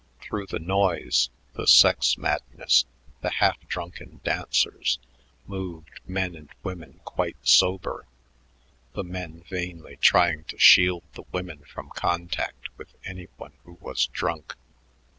Through the noise, the sex madness, the half drunken dancers, moved men and women quite sober, the men vainly trying to shield the women from contact with any one who was drunk.